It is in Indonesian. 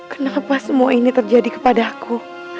kenapa semua ini terjadi kepada aku